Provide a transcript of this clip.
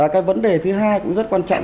cái vấn đề thứ hai cũng rất quan trọng